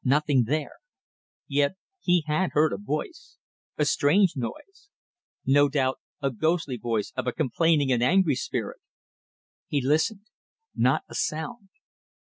Nothing there. Yet he had heard a noise; a strange noise! No doubt a ghostly voice of a complaining and angry spirit. He listened. Not a sound.